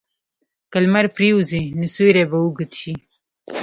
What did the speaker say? که لمر پرېوځي، نو سیوری به اوږد شي.